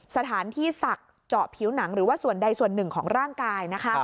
สถานที่ศักดิ์เจาะผิวหนังหรือว่าส่วนใดส่วนหนึ่งของร่างกายนะคะ